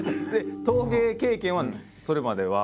陶芸経験はそれまでは？